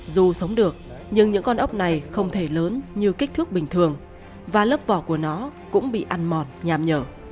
dù sống được nhưng những con ốc này không thể lớn như kích thước bình thường và lớp vỏ của nó cũng bị ăn mòn nhàm nhở